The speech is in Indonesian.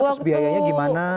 terus biayanya gimana